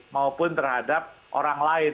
maupun terhadap orang lain